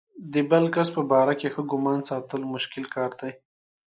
د بل کس په باره کې ښه ګمان ساتل مشکل کار دی.